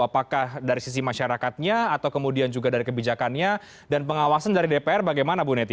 apakah dari sisi masyarakatnya atau kemudian juga dari kebijakannya dan pengawasan dari dpr bagaimana bu neti